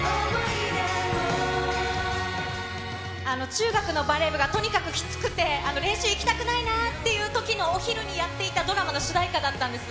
中学のバレー部がとにかくきつくて、練習行きたくないなっていうときのお昼にやっていたドラマの主題歌だったんです。